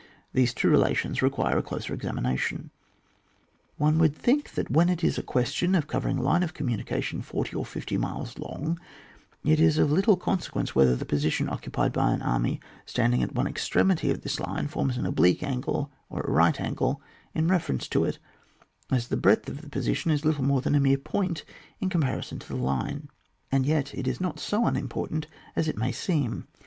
These two relations require a closer exa mination. One would think that when it is a question of covering a line of communi cation forty or fifty miles long, it is of little consequence whether the position occupied by an army standing at one ex tremity of this line forms an oblique angle or a right angle in reference to it, as the breadth of the position is little more than a mere point in comparison to the line ; and yet it is not so unimportant as it may seem.